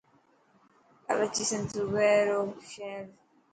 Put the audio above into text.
ڪراچي سنڌ صوبي رو شهر.